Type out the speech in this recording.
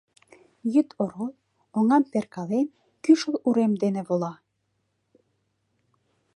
Йӱд орол, оҥам перкален, кӱшыл урем дене вола.